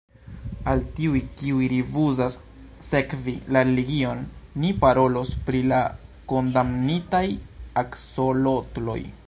"Al tiuj, kiuj rifuzas sekvi la religion, ni parolos pri la kondamnitaj aksolotloj."